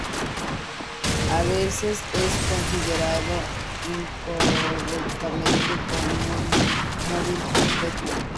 A veces es considerado incorrectamente como un móvil perpetuo.